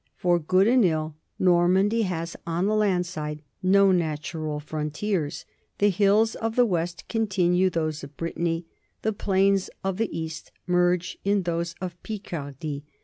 For good and ill, Normandy has, on the land side, no natural frontiers. The hills of the west continue those of Brittany, the plains of the east merge in those of Picardy.